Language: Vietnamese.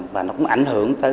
và nó cũng ảnh hưởng tới